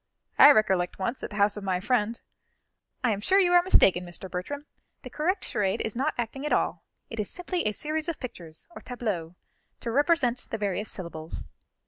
I recollect once, at the house of my friend " "I am sure you are mistaken, Mr. Bertram; the correct charade is not acting at all; it is simply a series of pictures, or tableaux, to represent the various syllables."